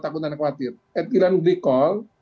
takut dan khawatir etilen glikol